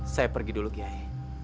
saya pergi dulu qiyai